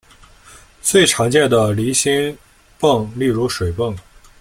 最常见的离心泵例如水泵。